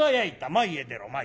前へ出ろ前へ。